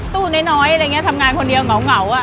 ตู้น้อยทำงานคนเดียวเหงา